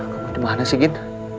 kamu dimana sih gin